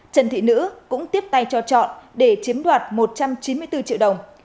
trần thị nữ cũng tiếp tay cho chọn để chiếm đoạt một trăm chín mươi bốn triệu đồng